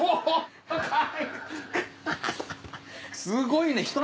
すごいね。